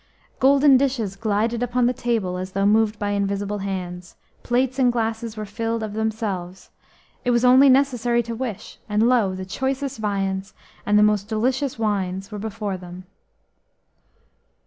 Golden dishes glided upon the table as though moved by invisible hands, plates and glasses were filled of themselves; it was only necessary to wish, and lo! the choicest viands and the most delicious wines were before them.